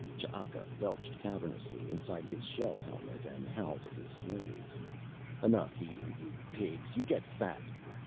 Ch'aka belched cavernously inside his shell helmet and howled at his slaves. "Enough eating, you pigs. You get fat.